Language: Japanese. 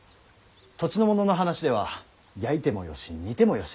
土地の者の話では焼いてもよし煮てもよし。